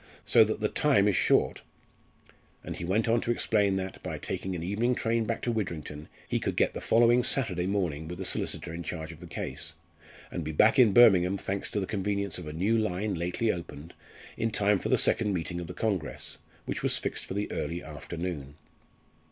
so that the time is short " And he went on to explain that, by taking an evening train back to Widrington, he could get the following (Saturday) morning with the solicitor in charge of the case, and be back in Birmingham, thanks to the convenience of a new line lately opened, in time for the second meeting of the congress, which was fixed for the early afternoon.